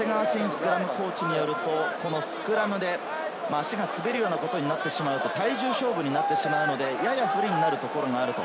スクラムコーチによると、スクラムで足が滑るようなことになると体重勝負になってしまうので、やや不利になるところがある。